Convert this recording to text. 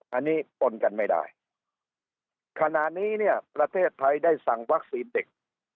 อันนี้ปนกันไม่ได้ขณะนี้เนี่ยประเทศไทยได้สั่งวัคซีนเด็ก